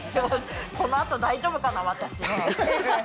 このあと大丈夫かな、私？